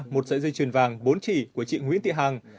một sợi dây truyền vàng bốn chỉ của chị nguyễn thị hàng